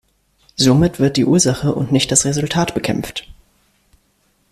Somit wird die Ursache und nicht das Resultat bekämpft.